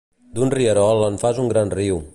D'un rierol, en fas un gran riu.